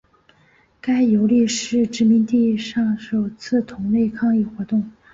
该游利是殖民地上首次同类抗议活动。